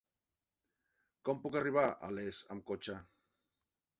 Com puc arribar a Les amb cotxe?